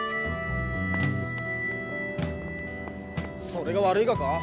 それが悪いがか。